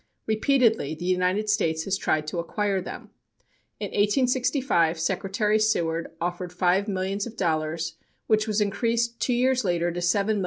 Repeatedly the United States has tried to acquire them. In 1865 Secretary Seward offered five millions of dollars, which was increased two years later to $7,500,000.